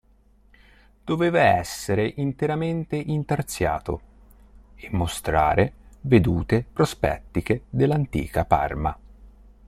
Doveva essere interamente intarsiato, e mostrare vedute prospettiche dell'antica Parma.